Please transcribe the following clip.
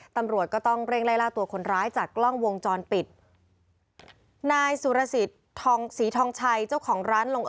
ตำรวจก็ต้องเร่งไล่ล่าตัวคนร้ายจากกล้องวงจรปิดนายสุรสิทธิ์ทองศรีทองชัยเจ้าของร้านลง